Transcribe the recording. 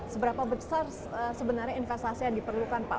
seberapa besar sebenarnya investasi yang diperlukan pak